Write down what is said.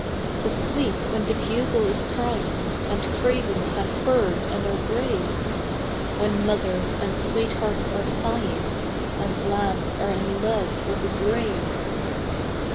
To sleep when the bugle is crying And cravens have heard and are brave, When mothers and sweethearts are sighing And lads are in love with the grave.